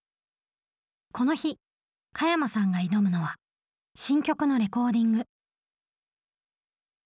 この日加山さんが挑むのは新曲のレコーディング。